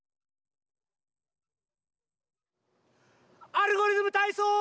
「アルゴリズムたいそう」！